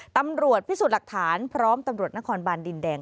ตำรวจพิสูจน์หลักฐานพร้อมตำรวจนครบานดินแดง